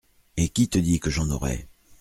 Et qui te dit que j'en aurais ?